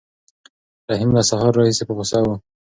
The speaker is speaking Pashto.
رحیم له سهار راهیسې په غوسه و.